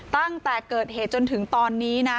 ตั้งแต่เกิดเหตุจนถึงตอนนี้นะ